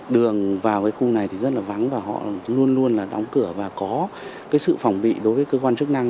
đường vào với khu này thì rất là vắng và họ luôn luôn là đóng cửa và có cái sự phòng bị đối với cơ quan chức năng